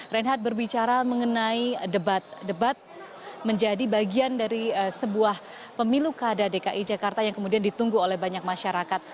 reinhard berbicara mengenai debat debat menjadi bagian dari sebuah pemilu keadaan dki jakarta yang kemudian ditunggu oleh banyak masyarakat